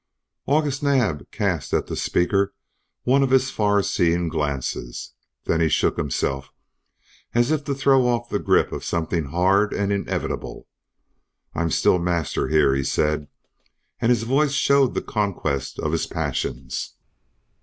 August Naab cast at the speaker one of his far seeing glances; then he shook himself, as if to throw off the grip of something hard and inevitable. "I'm still master here," he said, and his voice showed the conquest of his passions.